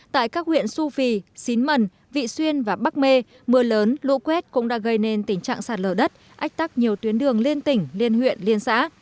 tại các huyện su phi xín mần vị xuyên và bắc mê mưa lớn lũ quét cũng đã gây nên tình trạng sạt lở đất ách tắc nhiều tuyến đường liên tỉnh liên huyện liên xã